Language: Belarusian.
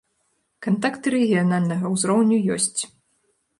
Кантакты рэгіянальнага узроўню ёсць.